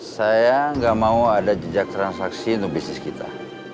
saya nggak mau ada jejak transaksi untuk bisnis kita